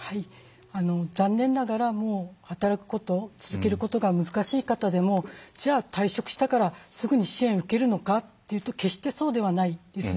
残念ながらもう働くこと続けることが難しい方でも退職したからすぐに支援を受けるのかというと決してそうではないです。